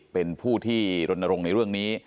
เป็นผู้ที่รณรงค์ในเรื่องนี้